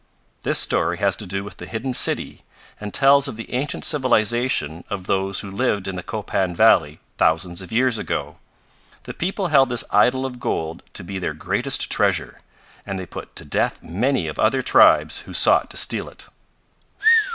"This story has to do with the hidden city, and tells of the ancient civilization of those who lived in the Copan valley thousands of years ago. The people held this idol of gold to be their greatest treasure, and they put to death many of other tribes who sought to steal it."